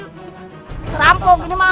terampuk ini mas